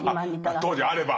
当時あれば。